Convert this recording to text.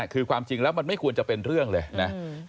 คือความจริงแล้วมันไม่ควรจะเป็นเรื่องเลยนะ